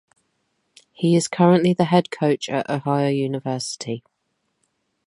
He is currently the head coach at Ohio University.